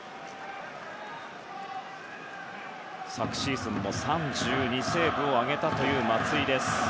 昨シーズンも３２セーブを挙げた松井です。